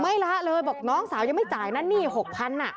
ไม่ละเลยบอกว่าน้องสาวยังไม่จ่ายนะนี่๖๐๐๐บาท